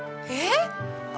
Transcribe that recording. えっ！？